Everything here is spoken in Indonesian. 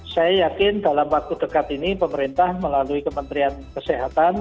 saya yakin dalam waktu dekat ini pemerintah melalui kementerian kesehatan